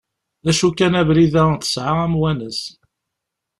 D acu kan abrid-a tesɛa amwanes.